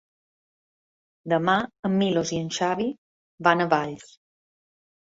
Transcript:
Demà en Milos i en Xavi van a Valls.